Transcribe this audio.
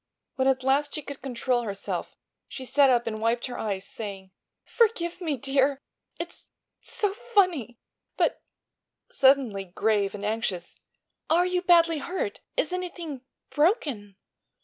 When at last she could control herself she sat up and wiped her eyes, saying: "Forgive me, dear, it's—it's so funny! But," suddenly grave and anxious, "are you badly hurt? Is anything—broken?"